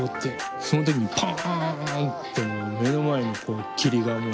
その時にパンてもう目の前の霧がもう。